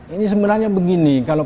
ini sebenarnya begini